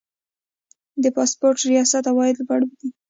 د پاسپورت ریاست عواید لوړ دي